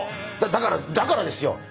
だからだからですよねっ。